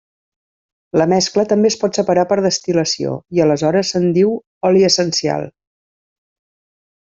La mescla també es pot separar per destil·lació i aleshores se'n diu oli essencial.